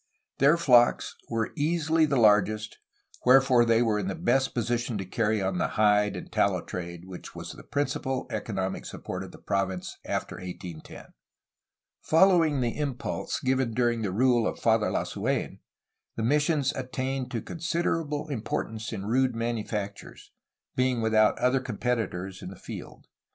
Their flocks were easily the largest, wherefore they were in the best position to carry on the hide and tallow trade which was the principal economic support of the province after 1810. Following the impulse given during the rule of Father Lasu^n, the missions attained to considerable importance in rude manufactures, being without other competitors n the field.